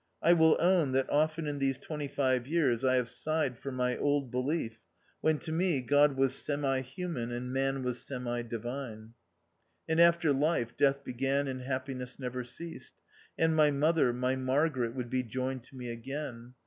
I will own that often in these twenty five years I have sighed for my old be lief, when to me God was semi human, and man was semi divine ; and after life, death began, and happiness never ceased ; and my mother, my Margaret, would be joined to me again.